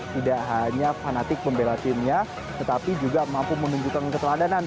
tidak hanya fanatik pembela timnya tetapi juga mampu menunjukkan keteladanan